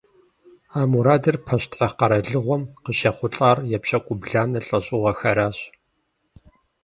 А мурадыр пащтыхь къэралыгъуэм къыщехъулӀар епщыкӏубланэ лӀэщӀыгъуэхэращ.